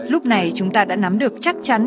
lúc này chúng ta đã nắm được chắc chắn